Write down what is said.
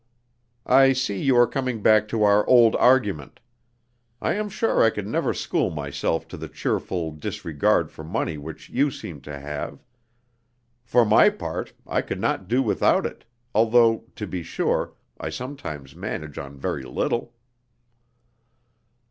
"I see you are coming back to our old argument. I am sure I could never school myself to the cheerful disregard for money which you seem to have. For my part, I could not do without it, although, to be sure, I sometimes manage on very little."